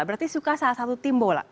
berarti suka salah satu tim bola